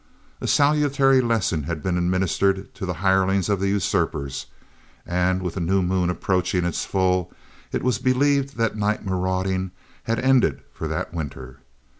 A salutary lesson had been administered to the hirelings of the usurpers, and with a new moon approaching its full, it was believed that night marauding had ended for that winter.